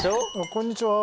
こんにちは。